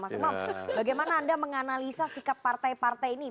mas umam bagaimana anda menganalisa sikap partai partai ini